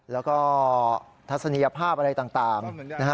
แล้วก็ทัศนียภาพอะไรต่างนะฮะ